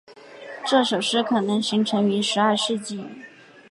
这首诗可能形成于十二世纪。